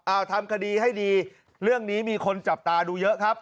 เอาทำคดีให้ดีเรื่องนี้มีคนจับตาดูเยอะครับ